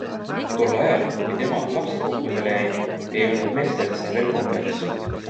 Tol ajal, kui tema lapsepuhkusele jäi, ei olnud meestel see veel kombeks.